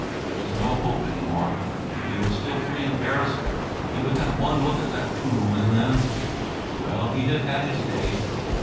There was no hope any more. If he were still free in Paris he would have one look at that tomb, and then ... well, he had had his day.